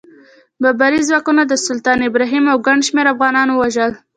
بابري ځواکونو د سلطان ابراهیم او ګڼ شمېر افغانان ووژل.